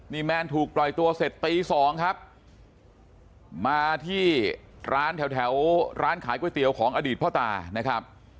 นี่แมนถูกปล่อยตัวเสร็จตีสองครับมาที่ร้านแถวร้านขายก๋วยเตี๋ยวของอดีตพ่อตานะครับ